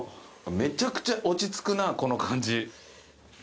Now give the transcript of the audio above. めちゃくちゃ落ち着くなこの感じ。